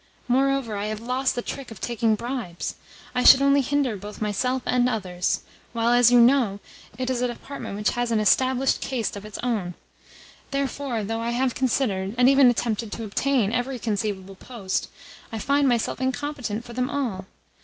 Moreover, I have lost the trick of taking bribes; I should only hinder both myself and others; while, as you know, it is a department which has an established caste of its own. Therefore, though I have considered, and even attempted to obtain, every conceivable post, I find myself incompetent for them all.